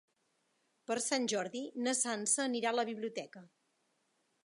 Per Sant Jordi na Sança anirà a la biblioteca.